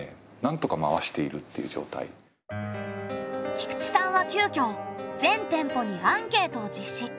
菊地さんは急きょ全店舗にアンケートを実施。